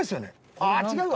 ああー違うわ。